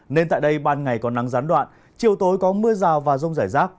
nên tại đây ban ngày có nắng gián đoạn chiều tối có mưa rào và rông rải rác